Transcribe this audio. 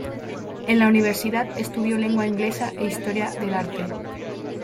En la universidad estudió Lengua Inglesa e Historia del Arte.